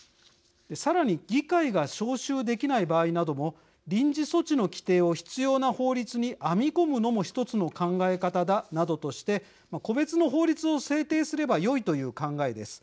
さらに議会が招集できない場合なども「臨時措置の規定を必要な法律に編み込むのも１つの考え方だ」などとして個別の法律を制定すればよいという考えです。